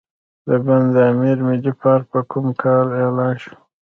د بند امیر ملي پارک په کوم کال اعلان شو؟